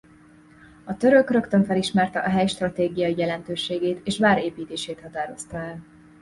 A török rögtön felismerte a hely stratégiai jelentőségét és vár építését határozta el.